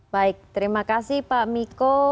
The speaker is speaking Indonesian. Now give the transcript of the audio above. baik terima kasih pak miko